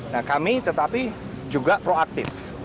nah kami tetapi juga proaktif